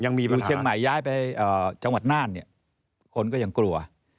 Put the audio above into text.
ดูเชียงใหม่ย้ายไปจังหวัดน่านเนี่ยคนก็ยังกลัว